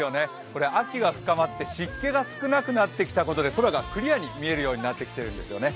これ、秋が深まって、湿気が少なくなってきたことで空がクリアに見えるようになってきているんですよね。